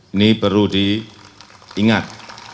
ini perlu diingat